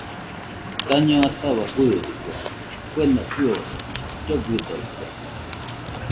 Daño ataua fɨɨdɨkue, kuena kɨode, llogɨdoite